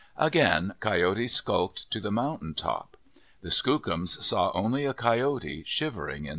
Again Coyote skulked to the mountain top. The Skookums saw only a coyote shivering in the bushes.